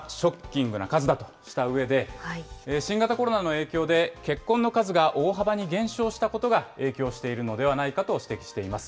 専門家は、ショッキングな数だとしたうえで、新型コロナの影響で、結婚の数が大幅に減少したことが影響しているのではないかと指摘しています。